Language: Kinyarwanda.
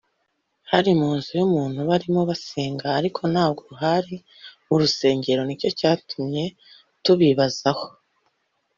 Bari mu nzu y’umuntu barimo basenga ariko ntabwo hari mu rusengero nicyo cyatumye tubibazaho”